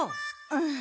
うん。